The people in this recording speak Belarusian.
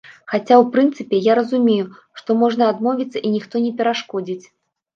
Хаця, у прынцыпе, я разумею, што можна адмовіцца і ніхто не перашкодзіць.